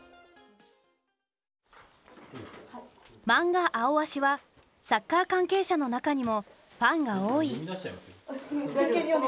マンガ「アオアシ」はサッカー関係者の中にもファンが多い。